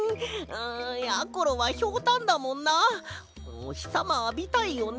んやころはひょうたんだもんなおひさまあびたいよね。